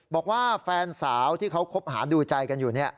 บอกว่าแฟนสาวที่เขาคบหาดูใจกันอยู่